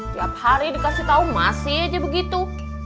tiap hari dikasih tahu masih aja begitu